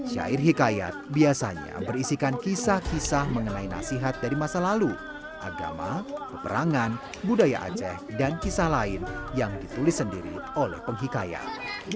syair hikayat biasanya berisikan kisah kisah mengenai nasihat dari masa lalu agama peperangan budaya aceh dan kisah lain yang ditulis sendiri oleh penghikayat